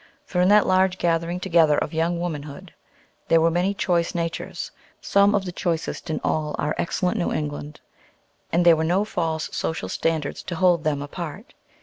For in that large gathering together of young womanhood there were many choice natures some of the choicest in all our excellent New England, and there were no false social standards to hold them apart.